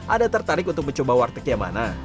anda tertarik untuk mencoba warteg yang mana